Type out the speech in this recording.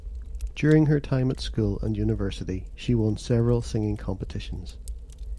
During her time at school and university she won several singing competitions.